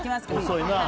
遅いな。